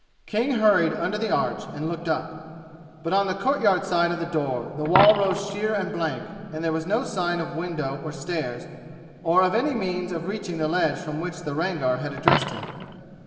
King hurried under the arch and looked up, but on the courtyard side of the door the wall rose sheer and blank, and there was no sign of window or stairs, or of any means of reaching the ledge from which the Rangar had addressed him.